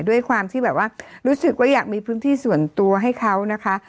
ด้วยความที่แบบว่ารู้สึกว่าอยากมีพื้นที่ส่วนตัวให้เขานะคะ